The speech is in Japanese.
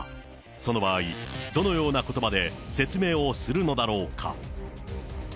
その場合、どのようなことばで説明をするのだろうか。